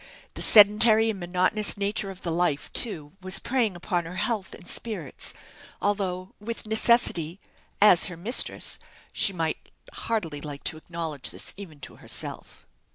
The sedentary and monotonous nature of the life, too, was preying upon her health and spirits, although, with necessity "as her mistress," she might hardly like to acknowledge this even to herself.